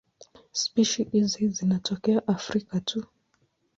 Spishi hizi zinatokea Afrika tu.